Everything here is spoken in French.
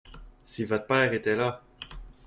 Si votre père était là!